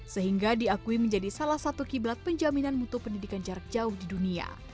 sehingga diakui menjadi salah satu kiblat penjaminan mutu pendidikan jarak jauh di dunia